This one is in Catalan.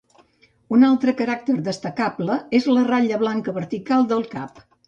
Un altre caràcter destacable és la ratlla blanca vertical del cap.